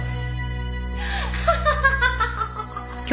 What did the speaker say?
ハハハハハ！